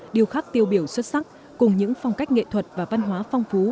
điều khác tiêu biểu xuất sắc cùng những phong cách nghệ thuật và văn hóa phong phú